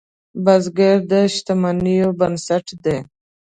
بزګر د شتمنیو بنسټ دی